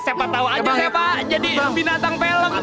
siapa tahu aja siapa jadi binatang film